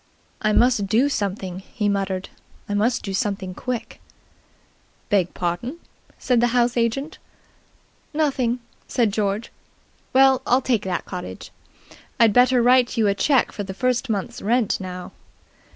"I must do something," he muttered. "I must do something quick." "Beg pardon," said the house agent. "Nothing," said George. "Well, I'll take that cottage. I'd better write you a cheque for the first month's rent now."